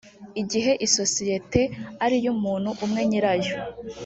igihe isosiyete ari iy umuntu umwe nyirayo